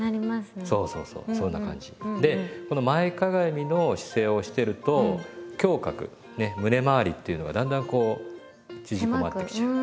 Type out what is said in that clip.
そうそうそうそんな感じ。で前かがみの姿勢をしてると胸郭ね胸まわりっていうのがだんだんこう縮こまってきちゃう。